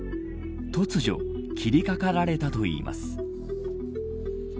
突如切りかかられたといいます。